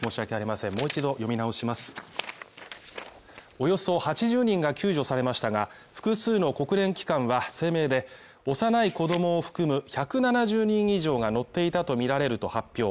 およそ８０人が救助されましたが、複数の国連機関は声明で、幼い子供を含む１７０人以上が乗っていたとみられると発表。